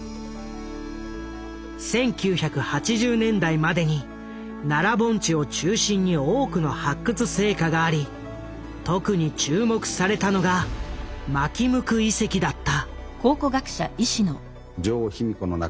１９８０年代までに奈良盆地を中心に多くの発掘成果があり特に注目されたのが纒向遺跡だった。